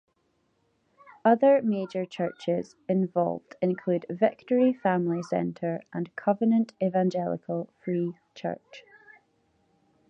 Other major churches involved include Victory Family Centre and Covenant Evangelical Free Church.